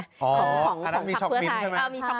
อ๋ออันนั้นมีช็อกมิ้นต์ใช่ไหม